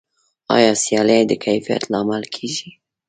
آیا سیالي د کیفیت لامل کیږي؟